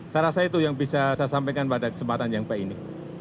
saya rasa itu yang bisa saya sampaikan pada kesempatan yang baik ini